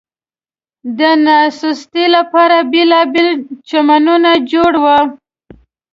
د ناستې لپاره بېلابېل چمنونه جوړ و.